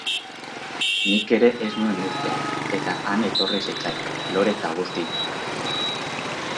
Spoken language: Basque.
Nik ere ez nuen uste eta han etorri zitzaidan, lore eta guzti.